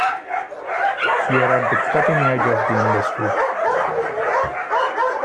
We're at the cutting edge of the industry.